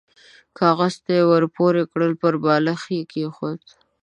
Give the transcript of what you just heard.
کاغذ ته يې ور پوه کړل، پر بالښت يې کېښود.